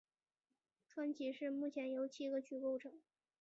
川崎市目前由七个区构成。